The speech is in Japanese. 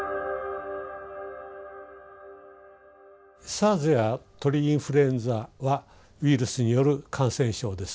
ＳＡＲＳや鳥インフルエンザはウイルスによる感染症です。